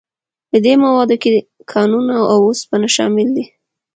په دې موادو کې کانونه او اوسپنه شامل دي.